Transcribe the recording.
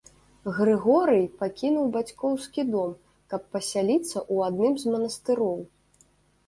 Грыгорый пакінуў бацькоўскі дом, каб пасяліцца ў адным з манастыроў.